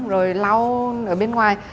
rồi lau ở bên ngoài